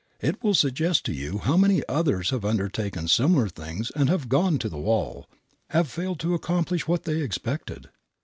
It will suggest to you how many others have undertaken similar things and have gone to the wall, have failed to accomplish what they expected.